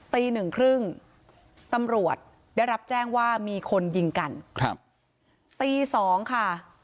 ตีหนึ่งครึ่งตำรวจได้รับแจ้งว่ามีคนยิงกันครับตีสองค่ะ